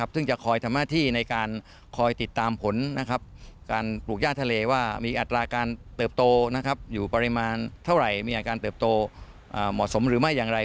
ซึ่งจะคอยทำหน้าที่ในการคอยติดตามผลการปลูกย่าทะเลว่ามีอัตราการเติบโตอยู่ปริมาณเท่าไหร่มีอาการเติบโตเหมาะสมหรือไม่อย่างไร